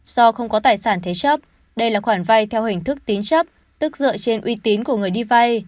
do không có tài sản thế chấp đây là khoản vay theo hình thức tín chấp tức dựa trên uy tín của người đi vay